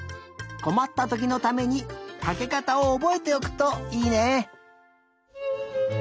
こまったときのためにかけかたをおぼえておくといいね。